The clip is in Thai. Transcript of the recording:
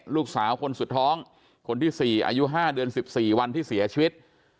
ลูกสาวคนสุดท้องคนที่๔อายุ๕เดือน๑๔วันที่เสียชีวิต